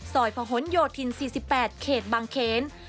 สอยพะฮนโยทิน๔๘เขตบังเขน